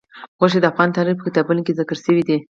غوښې د افغان تاریخ په کتابونو کې ذکر شوی دي.